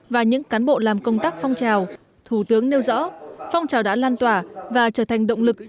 và những cán bộ làm công tác phong trào thủ tướng nêu rõ phong trào đã lan tỏa và trở thành động lực